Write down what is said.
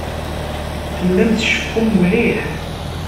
Tellam tceffum mliḥ.